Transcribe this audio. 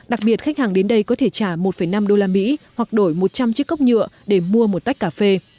đặc biệt khách hàng đến đây có thể trả một năm đô la mỹ hoặc đổi một trăm linh chiếc cốc nhựa để mua một tách cà phê